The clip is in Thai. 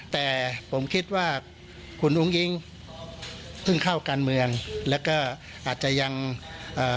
แต่ผมคิดว่าคุณอุ้งอิงเพิ่งเข้าการเมืองแล้วก็อาจจะยังเอ่อ